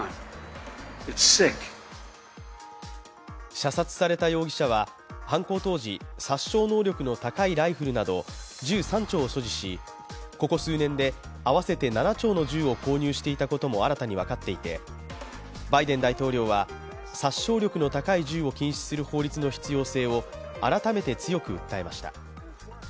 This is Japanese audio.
射殺された容疑者は犯行当時、殺傷能力の高いライフルなど銃３丁を所持しここ数年で合わせて７丁の銃を購入していたことも新たに分かっていてバイデン大統領は、殺傷力の高い銃を禁止する法律の必要性を改めて強く訴えました。